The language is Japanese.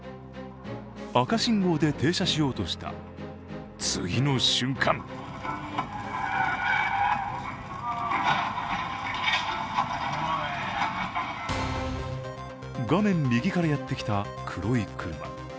赤信号で停車しようとした次の瞬間画面右からやってきた黒い車。